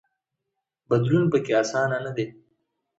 بدلون پکې اسانه نه دی.